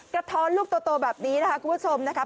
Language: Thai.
กระท้อนลูกโตแบบนี้นะคะคุณผู้ชมนะครับ